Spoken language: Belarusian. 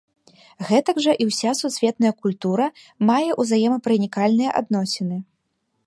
Гэтак жа і ўся сусветная культура мае ўзаемапранікальныя адносіны.